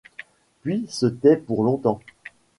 Puis se tait pour longtemps.